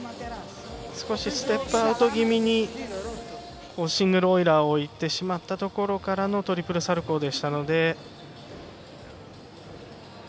少しステップアウト気味にシングルオイラーをいってしまったところからのトリプルサルコーでしたので。